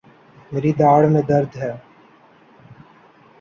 میری داڑھ میں درد ہے